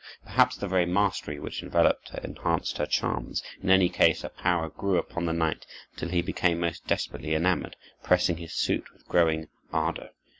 Perhaps the very mystery which enveloped her enhanced her charms. In any case, her power grew upon the knight till he became most desperately enamoured, pressing his suit with growing ardor.